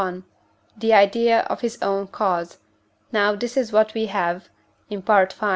the idea of his own cause: now this is what we have (in V. xxxii.